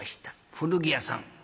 古着屋さん。